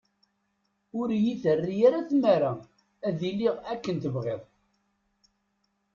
Ur iyi-terri ara tmara ad iliɣ akken tebɣiḍ.